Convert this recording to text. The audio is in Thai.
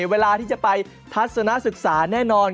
เวลาที่จะไปทัศนศึกษาแน่นอน